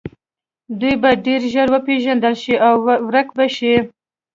دوی به ډیر ژر وپیژندل شي او ورک به شي